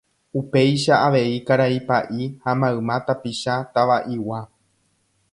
upéicha avei karai pa'i ha mayma tapicha Tava'igua